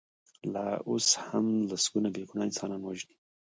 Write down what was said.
لا اوس هم لسګونه بې ګناه انسانان وژني.